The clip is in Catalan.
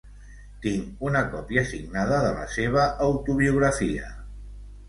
Tinc una còpia signada de la seva autobiografia.